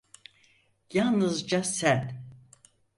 Yalnızca sen.